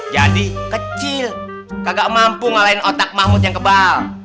jadi kecil kagak mampu ngalahin otak mahmud yang kebal